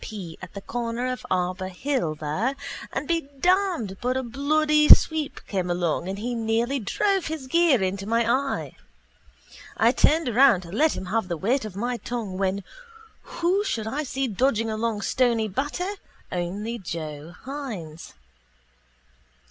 P. at the corner of Arbour hill there and be damned but a bloody sweep came along and he near drove his gear into my eye. I turned around to let him have the weight of my tongue when who should I see dodging along Stony Batter only Joe Hynes.